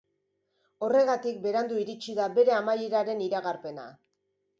Horregatik, berandu iritsi da bere amaieraren iragarpena.